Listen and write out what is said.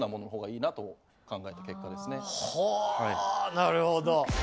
なるほど。